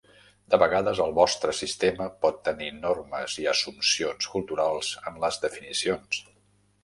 De vegades, el vostre sistema pot tenir normes i assumpcions culturals en les definicions.